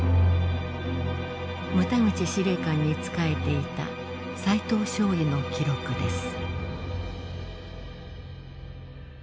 牟田口司令官に仕えていた齋藤少尉の記録です。